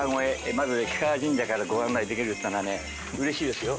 まず氷川神社からご案内できるっていうのはねうれしいですよ。